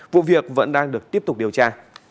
vụ việc vẫn đang được tiếp tục điều tra